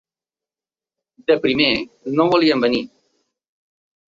De primer, no volien venir.